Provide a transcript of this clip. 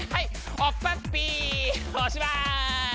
おしまい！